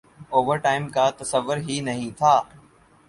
Overtime کا تصور ہی نہیں تھا ۔